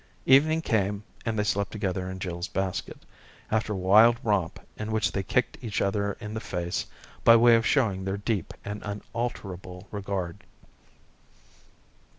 Evening came, and they slept together in Jill's basket, after a wild romp in which they kicked each other in the face, by way of showing their deep and unalterable regard.